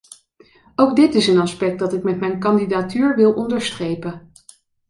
Ook dit is een aspect dat ik met mijn kandidatuur wil onderstrepen.